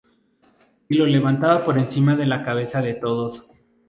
Y lo levanta por encima de la cabeza de todos.